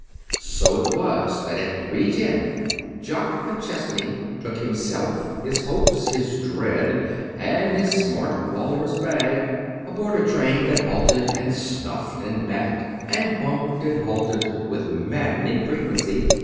So it was that at three ten Jock McChesney took himself, his hopes, his dread, and his smart walrus bag aboard a train that halted and snuffed and backed, and bumped and halted with maddening frequency.